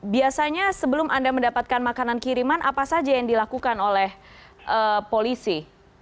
biasanya sebelum anda mendapatkan makanan kiriman apa saja yang dilakukan oleh polisi